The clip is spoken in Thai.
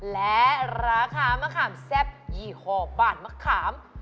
และราคามะขามแซ่บยี่ห้อบาทมะขาม